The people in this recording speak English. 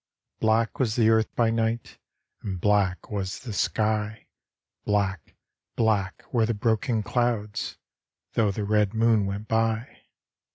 Black was the earth by night, And black was the sky: Black, black were the broken clouds, Though the red Moon went by.